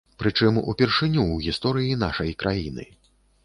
Прычым, упершыню ў гісторыі нашай краіны.